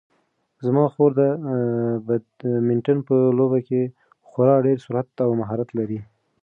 زما خور د بدمینټن په لوبه کې خورا ډېر سرعت او مهارت لري.